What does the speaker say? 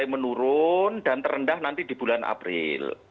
menurun dan terendah nanti di bulan april